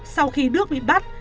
sau khi đức bị bắt